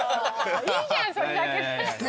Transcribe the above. いいじゃんそれだけで。